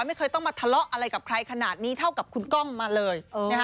ไม่เคยต้องมาทะเลาะอะไรกับใครขนาดนี้เท่ากับคุณก้องมาเลย